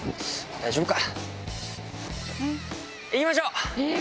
大丈夫か？